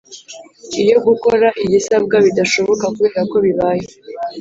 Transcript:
Iyo gukora igisabwa bidashoboka kubera ko bibaye